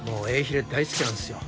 ひれ大好きなんですよ。